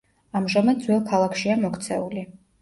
ამჟამად ძველ ქალაქშია მოქცეული.